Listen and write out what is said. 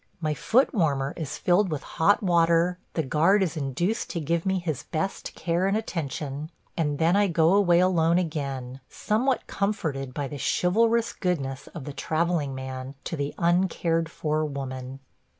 My foot warmer is filled with hot water, the guard is induced to give me his best care and attention, and then I go away alone again, somewhat comforted by the chivalrous goodness of the travelling man to the uncared for woman.